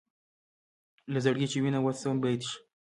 له زړګي چې وينه وڅڅوم بېت شي.